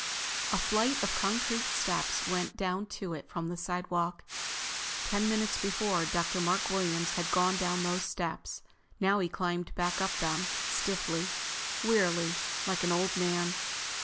A flight of concrete steps went down to it from the sidewalk. Ten minutes before, Dr. Mark Williams had gone down those steps. Now he climbed back up them, stiffly, wearily, like an old man.